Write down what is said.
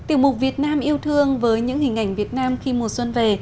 tiểu mục việt nam yêu thương với những hình ảnh việt nam khi mùa xuân về